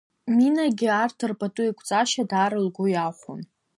Минагьы арҭ рпатуеиқәҵашьа даара лгәы иаахәон.